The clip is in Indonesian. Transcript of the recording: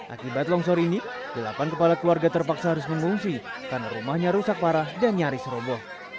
akibat longsor ini delapan kepala keluarga terpaksa harus mengungsi karena rumahnya rusak parah dan nyaris roboh